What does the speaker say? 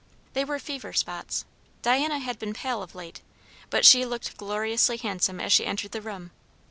They were fever spots. Diana had been pale of late; but she looked gloriously handsome as she entered the room.